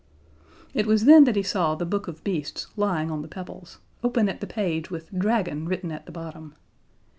It was then that he saw The Book of Beasts lying on the pebbles, open at the page with "Dragon" written at the bottom.